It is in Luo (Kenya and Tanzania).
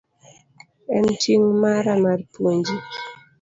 En ting' mara mar puonji.